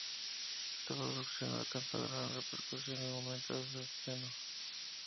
Esta producción no alcanzó gran repercusión al momento de su estreno.